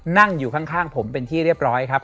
นั่งอยู่ข้างผมเป็นที่เรียบร้อยครับ